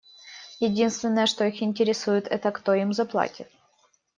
Единственное, что их интересует, — это кто им заплатит.